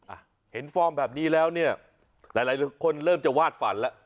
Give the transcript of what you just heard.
อ่ะเห็นฟอร์มแบบนี้แล้วเนี่ยหลายหลายคนเริ่มจะวาดฝันแล้ว